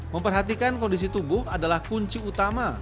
memperhatikan kondisi tubuh adalah kunci utama